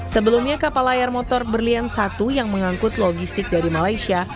sebelumnya kapal layar motor berlian satu yang mengangkut logistik dari malaysia